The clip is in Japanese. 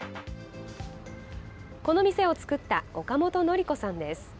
この店を作った岡本紀子さんです。